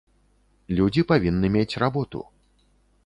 Людзі павінны мець работу.